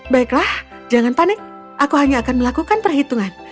baiklah jangan panik aku hanya akan melakukan perhitungan